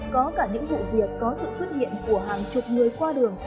có cả những vụ việc có sự xuất hiện của hàng chục người qua đường